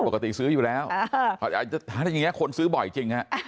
ปกติซื้ออยู่แล้วคนซื้อบ่อยจริง